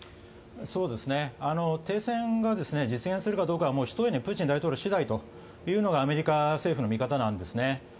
停戦が実現するかどうかはひとえにプーチン大統領次第というのがアメリカ政府の見方なんですね。